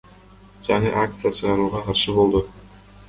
жаңы акция чыгарууга каршы болду.